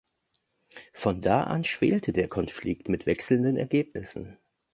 Von da an schwelte der Konflikt mit wechselnden Ergebnissen.